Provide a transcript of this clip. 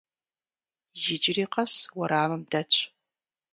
Иджыри къэс уэрамым дэтщ.